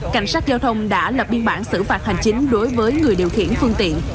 cảnh sát giao thông đã lập biên bản xử phạt hành chính đối với người điều khiển phương tiện